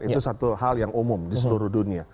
itu satu hal yang umum di seluruh dunia